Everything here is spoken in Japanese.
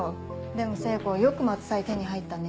でも聖子よく松祭手に入ったね。